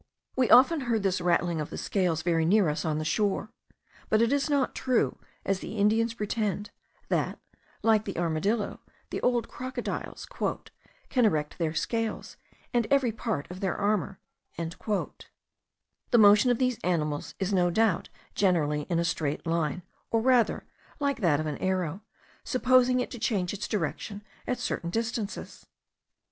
We often heard this rattling of the scales very near us on the shore; but it is not true, as the Indians pretend, that, like the armadillo, the old crocodiles "can erect their scales, and every part of their armour." The motion of these animals is no doubt generally in a straight line, or rather like that of an arrow, supposing it to change its direction at certain distances.